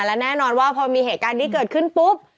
และแน่นอนว่าพอมีเหตุการณ์นี้เกิดขึ้นปุ๊บ